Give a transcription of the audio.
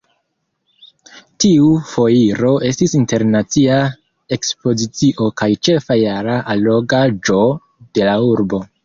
Tiu Foiro estis internacia ekspozicio kaj ĉefa jara allogaĵo de la urbo.